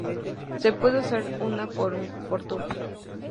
Se puede usar una por turno.